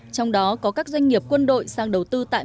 trong đó có các doanh nghiệp quân đội sang đầu tư tại